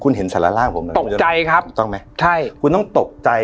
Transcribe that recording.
คุณเห็นสารร่างผมนะตกใจครับถูกต้องไหมใช่คุณต้องตกใจ